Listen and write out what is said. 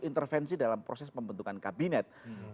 intervensi dalam proses pembentukan kabinet